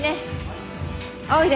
あおいで。